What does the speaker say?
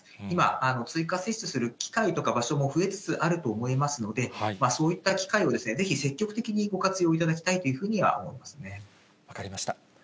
今、追加接種する機会とか場所も増えつつあると思いますので、そういった機会を、ぜひ積極的にご活用いただきたいというふうには思い分かりました。